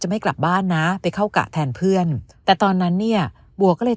ไม่กลับบ้านนะไปเข้ากะแทนเพื่อนแต่ตอนนั้นเนี่ยบัวก็เลย